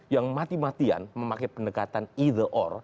yang mati matian memakai pendekatan either ore